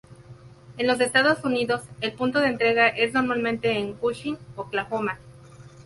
En los Estados Unidos, el punto de entrega es normalmente en Cushing, Oklahoma.